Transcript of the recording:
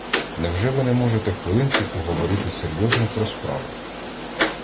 Невже ви не можете хвилинку поговорити серйозно про справу?